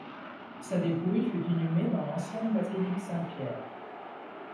Sa dépouille fut inhumée dans l'ancienne basilique Saint-Pierre.